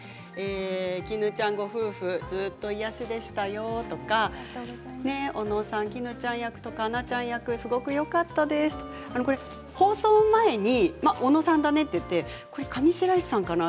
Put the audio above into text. きぬちゃんご夫婦ずっと癒やしでしたよ、とかきぬちゃん役と花菜ちゃん役すごくよかったですとか放送前に、小野さんだねと言って左下は上白石さんだね。